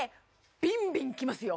ビンビンきますよ